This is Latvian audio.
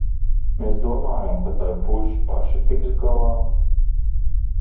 Mēs domājām, ka tavi puiši paši tiks galā.